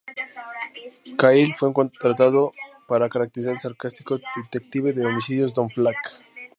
Cahill fue contratado para caracterizar al sarcástico detective de homicidios, Don Flack.